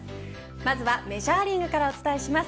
まずはメジャーリーグからお伝えします。